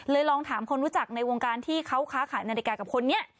ลองถามคนรู้จักในวงการที่เขาค้าขายนาฬิกากับคนนี้